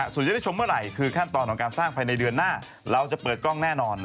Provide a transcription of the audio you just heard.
ส่วนจะได้ชมเมื่อไหร่คือขั้นตอนของการสร้างภายในเดือนหน้าเราจะเปิดกล้องแน่นอน